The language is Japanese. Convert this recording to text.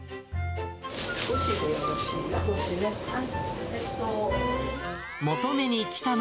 少しでよろしいの。